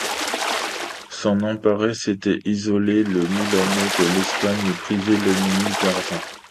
S’en emparer, c’était isoler le Milanais de l’Espagne, et priver l’ennemi d’argent.